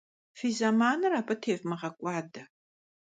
Fi zemanır abı têvmığek'uade.